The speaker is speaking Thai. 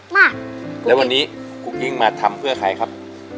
มาแล้ววันนี้กุ๊กกิ้งมาทำเพื่อใครครับ